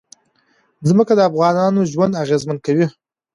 ځمکه د افغانانو ژوند اغېزمن کوي.